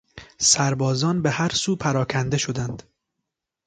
سربازان به هر سو پراکنده شدند.